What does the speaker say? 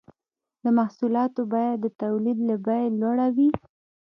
د محصولاتو بیه د تولید له بیې لوړه وي